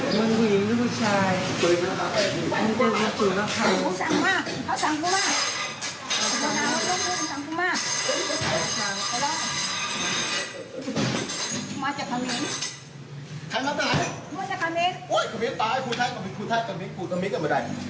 พูดท่านกำลังพูดอเมฆก็ไม่ได้